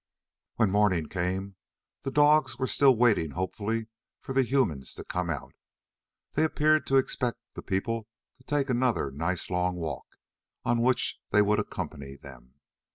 When morning came, the dogs were still waiting hopefully for the humans to come out. They appeared to expect the people to take another nice long walk, on which they would accompany them.